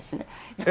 えっ？